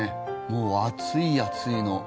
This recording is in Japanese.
もう暑い暑いの。